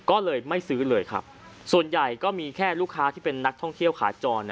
ก็เลยไม่ซื้อเลยครับส่วนใหญ่ก็มีแค่ลูกค้าที่เป็นนักท่องเที่ยวขาจร